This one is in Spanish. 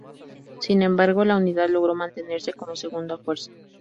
Sin embargo, la Unidad logró mantenerse como segunda fuerza.